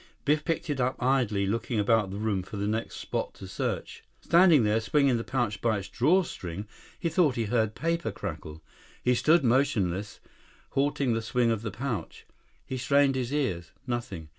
Biff picked it up idly, looking about the room for the next spot to search. Standing there, swinging the pouch by its draw string, he thought he heard paper crackle. He stood motionless, halting the swing of the pouch. He strained his ears. Nothing.